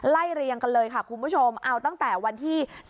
เรียงกันเลยค่ะคุณผู้ชมเอาตั้งแต่วันที่